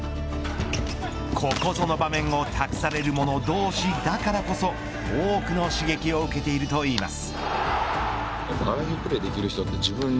ここぞの場面を託されるもの同士だからこそ多くの刺激を受けているといいます。